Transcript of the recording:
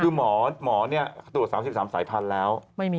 คือหมอตรวจ๓๓สายพันธุ์แล้ว